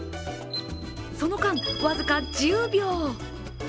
その間、僅か１０秒。